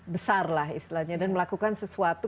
besar lah istilahnya dan melakukan sesuatu